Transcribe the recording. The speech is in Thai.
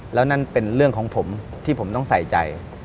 แล้วนั่นเป็นเรื่องของผมที่ผมต้องใส่ใจ